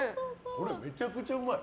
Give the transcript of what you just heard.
これめちゃくちゃうまい。